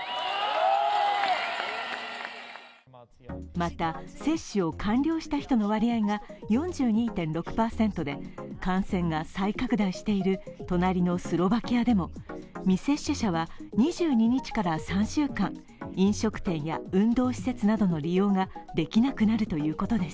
また、接種を完了した人の割合が４２．６％で、感染が再拡大している隣のスロバキアでも未接種者は２２日から３週間飲食店や運動施設などの利用ができなくなるということです。